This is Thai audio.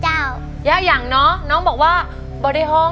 คุณยายแดงคะทำไมต้องซื้อลำโพงและเครื่องเสียง